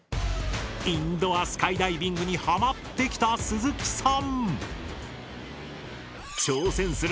インドア・スカイダイビングにハマってきた鈴木さん。